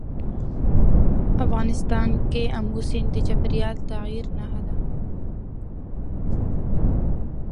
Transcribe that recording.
افغانستان کې آمو سیند د چاپېریال د تغیر نښه ده.